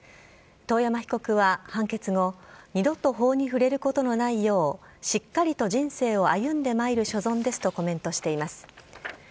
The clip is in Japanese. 遠山被告は判決後、二度と法に触れることのないよう、しっかりと人生を歩んでまいる所存ですとコメントしています。